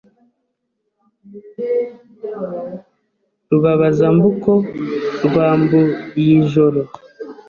Rubabazambuko rwa Mbuyijoro